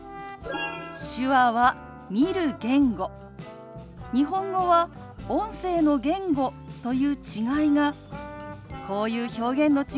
手話は見る言語日本語は音声の言語という違いがこういう表現の違いになることがあるんですよ。